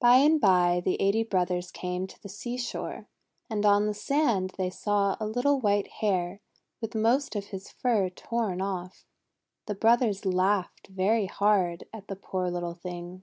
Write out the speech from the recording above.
By and by the eighty brothers came to the seashore, and on the sand they saw a little white Hare with most of its fur torn off. The brothers laughed very hard at the poor little thing.